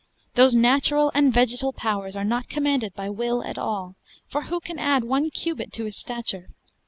Those natural and vegetal powers are not commanded by will at all; for who can add one cubit to his stature?